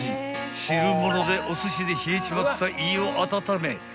［汁物でおすしで冷えちまった胃を温め食欲回復］